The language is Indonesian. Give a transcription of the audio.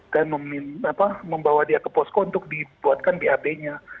dan membawa dia ke posko untuk dibuatkan bab nya